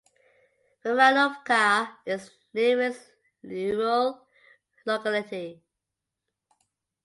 Romanovka is the nearest rural locality.